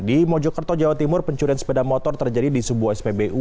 di mojokerto jawa timur pencurian sepeda motor terjadi di sebuah spbu